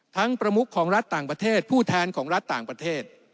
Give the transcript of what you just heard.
ประมุขของรัฐต่างประเทศผู้แทนของรัฐต่างประเทศ